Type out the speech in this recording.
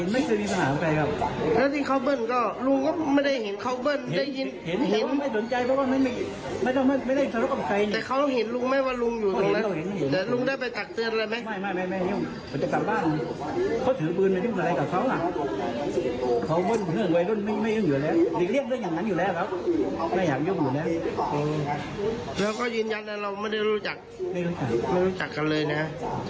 ไม่อยากยุ่งเหมือนกันแล้วก็ยืนยันแต่เราไม่ได้รู้จักกันเลยนะคะ